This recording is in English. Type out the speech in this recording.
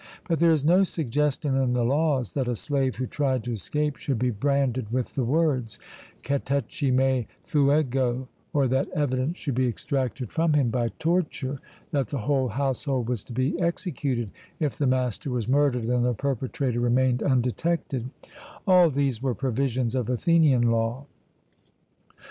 But there is no suggestion in the Laws that a slave who tried to escape should be branded with the words kateche me, pheugo, or that evidence should be extracted from him by torture, that the whole household was to be executed if the master was murdered and the perpetrator remained undetected: all these were provisions of Athenian law.